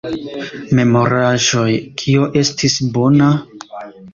Memoraĵoj Kio estis bona?